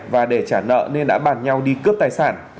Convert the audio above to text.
và để trả nợ nên đã bàn nhau đi cướp tài sản